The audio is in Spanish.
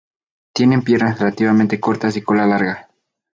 Tienen piernas relativamente cortas y cola larga.